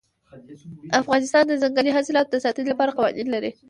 افغانستان د ځنګلي حاصلاتو د ساتنې لپاره قوانین لري.